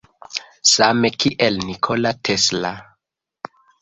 Same kiel Nikola Tesla.